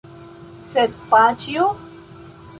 Sed paĉjo?